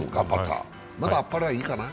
まだあっぱれはいいかな？